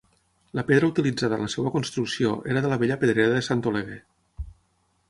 La pedra utilitzada en la seva construcció era de la vella pedrera de Sant Oleguer.